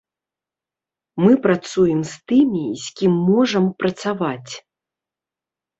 Мы працуем з тымі, з кім можам працаваць.